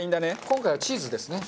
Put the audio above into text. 今回はチーズですね。